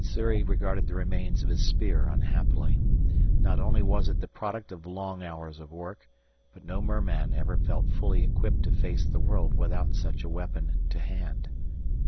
Sssuri regarded the remains of his spear unhappily. Not only was it the product of long hours of work, but no merman ever felt fully equipped to face the world without such a weapon to hand.